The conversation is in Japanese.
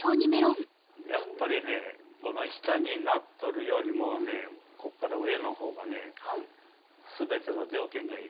やっぱり下になっとるよりもこっから上のほうが全ての条件がいい。